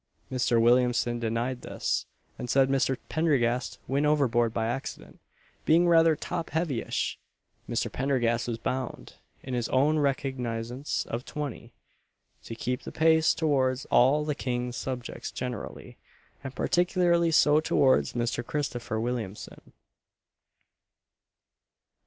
Mr. Williamson denied this, and said Mr. Pendergast went overboard by accident, being rather top heavy ish. Mr. Pendergast was bound, in his own recognizance of 20_l._, to keep the peace towards all the King's subjects generally, and particularly so towards Mr. Christopher Williamson.